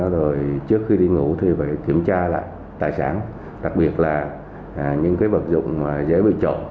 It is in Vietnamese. rồi trước khi đi ngủ thì phải kiểm tra lại tài sản đặc biệt là những vật dụng dễ bị chọn